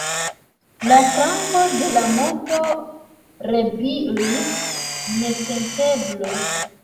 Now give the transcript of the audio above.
La flanko de la monto rebrilis nesenteble.